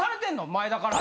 前田から。